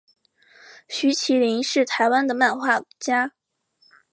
徐麒麟是台湾的漫画家。